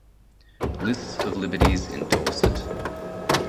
List of liberties in Dorset.